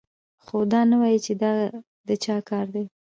خو دا نه وايي چې دا د چا کار دی